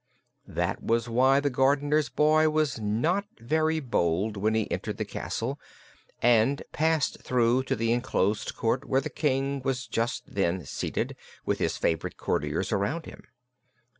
That was why the gardener's boy was not very bold when he entered the castle and passed through to the enclosed court where the King was just then seated, with his favorite courtiers around him.